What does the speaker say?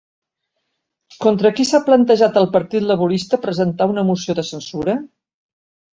Contra qui s'ha plantejat el Partit Laborista presentar una moció de censura?